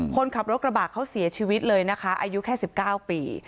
คนขับรถกระบะเขาเสียชีวิตเลยนะคะอายุแค่๑๙ปี